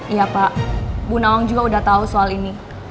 iya pak bu nawang juga udah tahu soal ini